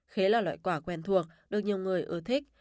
khế là loại quả quen thuộc được nhiều người ưa thích